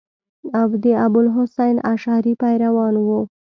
د ابو الحسن اشعري پیروان وو.